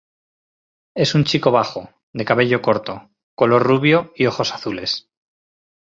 Es un chico bajo, de cabello corto, color rubio y ojos azules.